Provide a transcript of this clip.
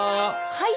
はい！